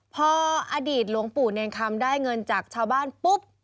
พออดีตหลวงปู่เนรคำได้เงินจากชาวบ้านปุ๊บ